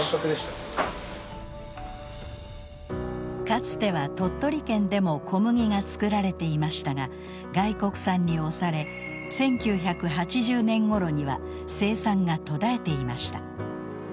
かつては鳥取県でも小麦が作られていましたが外国産に押され１９８０年ごろには生産が途絶えていました。